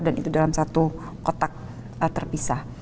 dan itu dalam satu kotak terpisah